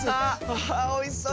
あおいしそう。